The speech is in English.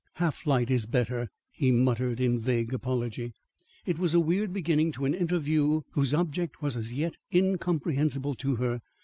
"Half light is better," he muttered in vague apology. It was a weird beginning to an interview whose object was as yet incomprehensible to her.